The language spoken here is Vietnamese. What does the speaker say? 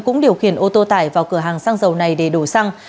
cũng điều khiển ô tô tải vào cửa hàng xăng dầu này để đổ xăng